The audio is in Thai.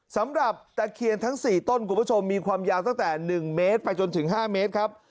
ตะเคียนทั้ง๔ต้นคุณผู้ชมมีความยาวตั้งแต่๑เมตรไปจนถึง๕เมตรครับ